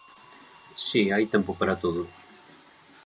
Si, hai tempo para todo.